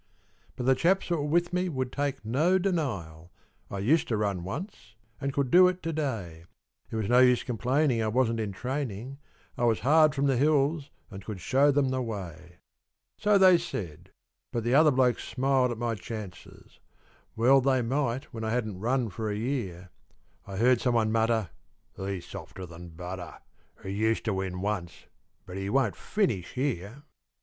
But the chaps that were with me would take no denial I used to run once and could do it to day; It was no use complaining I wasn't in training, I was hard from the hills and could show them the way. So they said; but the other blokes smiled at my chances, Well they might when I hadn't run for a year; I heard someone mutter, "He's softer than butter He used to win once, but he won't finish here."